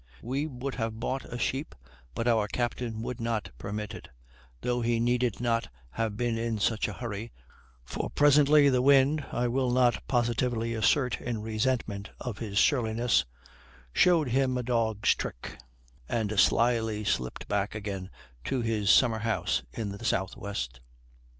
We would have bought a sheep, but our captain would not permit it; though he needed not have been in such a hurry, for presently the wind, I will not positively assert in resentment of his surliness, showed him a dog's trick, and slyly slipped back again to his summer house in the south west.